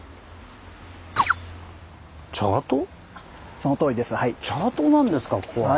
そのとおりですはい。